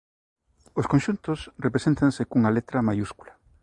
Os conxuntos represéntanse cunha letra maiúscula.